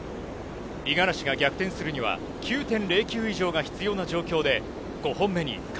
五十嵐が逆転するには９．０９以上が必要な状況で、